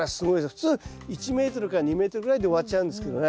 普通１ｍから２ｍぐらいで終わっちゃうんですけどね